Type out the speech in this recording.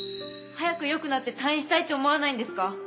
早くよくなって退院したいって思わないんですか？